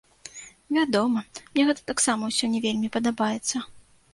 Вядома, мне гэта таксама ўсё не вельмі падабаецца.